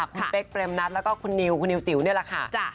คุณเป๊กเปรมนัดแล้วก็คุณนิวคุณนิวจิ๋วนี่แหละค่ะ